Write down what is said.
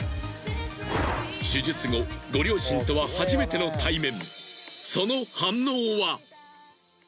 手術後ご両親とは初めての対面。